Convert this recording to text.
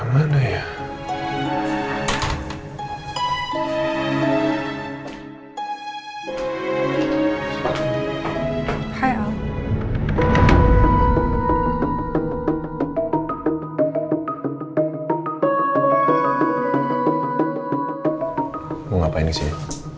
mau ngapain di sini